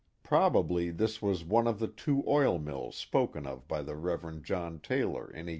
Probably this was one of the two oil mills spoken of by the Rev. John Taylor in 1802.